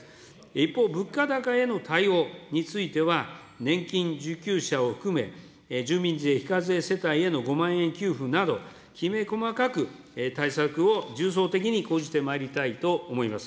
一方、物価高への対応については、年金受給者を含め、住民税非課税世帯への５万円給付など、きめ細かく対策を重層的に講じてまいりたいと思います。